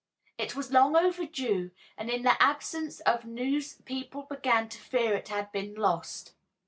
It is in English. It was long overdue, and in the absence of news people began to fear it had been lost.